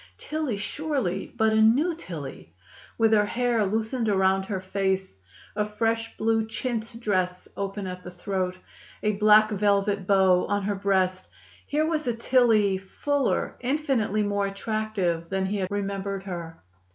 Tillie surely, but a new Tillie! With her hair loosened around her face, a fresh blue chintz dress open at the throat, a black velvet bow on her breast, here was a Tillie fuller, infinitely more attractive, than he had remembered her.